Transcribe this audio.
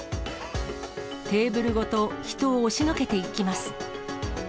テーブルごと人を押しのけていきます。